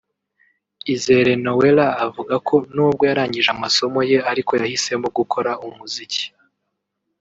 Izere Noella uvuga ko nubwo yarangije amasomo ye ariko yahisemo gukora umuziki